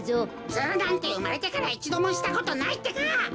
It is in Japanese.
ズルなんてうまれてからいちどもしたことないってか！